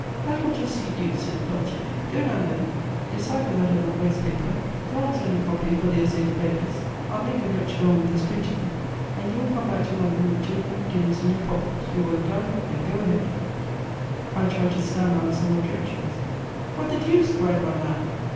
"That will just suit you," said Peltier; "go down there, decipher that old waste paper, go on sending copy for the Essai to Baylis; I'll make the wretch go on with his printing; and you will come back to London with two hundred guineas in your pocket, your work done, and go ahead!" I tried to stammer out some objections: "What the deuce!" cried my man.